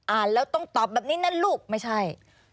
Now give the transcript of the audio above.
อ่านแล้วต้องตอบแบบนี้นะลูกไม่ใช่